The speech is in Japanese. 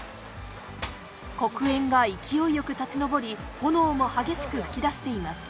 黒煙が勢いよく立ち上り、炎も激しく噴き出しています。